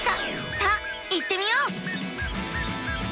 さあ行ってみよう！